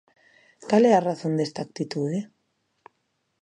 Cal é a razón desta actitude?